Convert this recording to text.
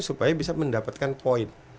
supaya bisa mendapatkan poin